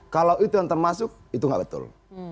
kalau itu yang termasuk itu nggak betul